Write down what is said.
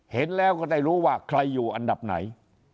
เห็นแล้วก็ได้รู้ว่าใครอยู่อันดับไหน